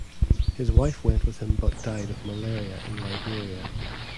His wife went with him but died of malaria in Liberia.